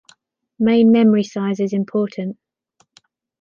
Main memory size is important.